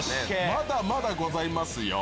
まだまだございますよ。